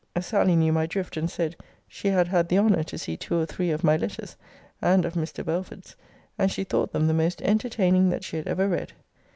Sally knew my drift; and said, She had had the honour to see two or three of my letters, and of Mr. Belford's; and she thought them the most entertaining that she had ever read.